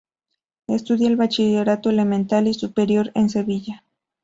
Estudia el bachillerato elemental y Superior en Sevilla.